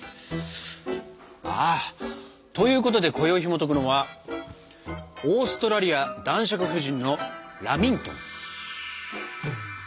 あということでこよいひもとくのはオーストラリア男爵夫人のラミントン！